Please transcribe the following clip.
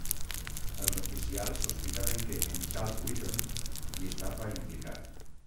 Els oficials sospitaven que en Charles Wheaton hi estava implicat.